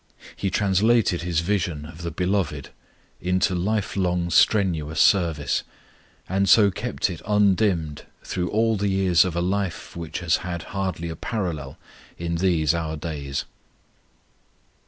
He translated his vision of the Beloved into life long strenuous service, and so kept it undimmed through all the years of a life which has had hardly a parallel in these our days.